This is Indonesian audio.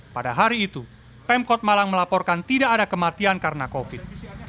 pada hari itu pemkot malang melaporkan tidak ada kematian karena covid